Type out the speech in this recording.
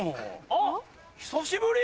あっ久しぶり！